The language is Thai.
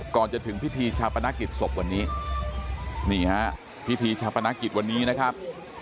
ก่อนจะถึงพิธีชาปนกิจศพวันนี้นี่ฮะพิธีชาปนกิจวันนี้นะครับ